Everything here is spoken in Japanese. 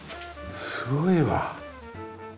すごいわ。